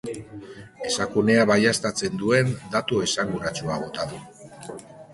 Esakunea baieztatzen duen datu esanguratsua bota du.